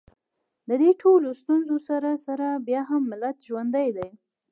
د دې ټولو ستونزو سره سره بیا هم ملت ژوندی دی